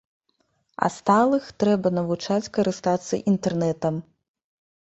А сталых трэба навучыць карыстацца інтэрнэтам.